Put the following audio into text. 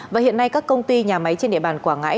và hiện nay các công ty nhà máy trên địa bàn quảng ngãi